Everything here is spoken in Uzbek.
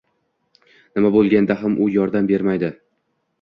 Nima bo‘lganda ham, bu yordam bermaydi.